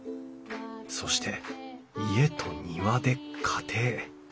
そして「家」と「庭」で家庭。